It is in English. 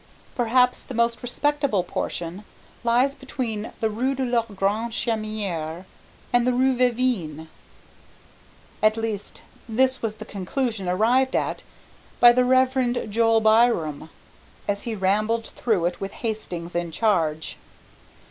Perhaps the most respectable portion lies between the rue de la Grande Chaumière and the rue Vavin, at least this was the conclusion arrived at by the Reverend Joel Byram, as he rambled through it with Hastings in charge.